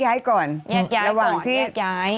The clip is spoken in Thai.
ย้ายก่อนย้าย